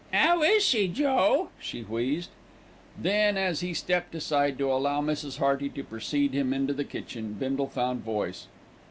"'Ow is she, Joe?" she wheezed. Then as he stepped aside to allow Mrs. Hearty to precede him into the kitchen, Bindle found voice.